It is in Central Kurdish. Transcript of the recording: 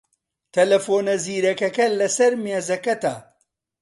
تەلەفۆنە زیرەکەکە لەسەر مێزەکەتە.